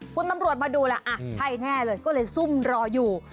คุณตำรวจมาดูแล้วอ่ะใช่แน่เลยก็เลยซุ่มรออยู่